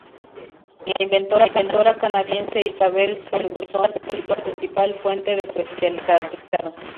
La inventora canadiense Isabel Ferguson es la principal fuente de su equipo especializado.